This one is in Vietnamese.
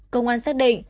công an xác định